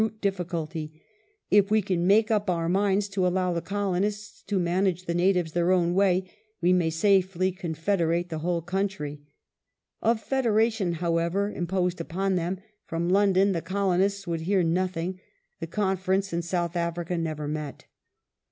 1881] ATTEMPTED FEDERATION 477 difficulty :" If we can make up our minds to allow the colonists to manage the natives their own way we may safely confederate the whole country". Of federation, however,; imposed upon them from London, the colonists would hear nothing. The Conference in South Africa never met.